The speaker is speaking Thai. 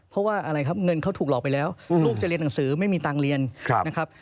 เพราะว่าอะไรครับเงินเขาถูกหลอกไปแล้วลูกจะเรียนหนังสือไม่มีตังค์เรียนนะครับ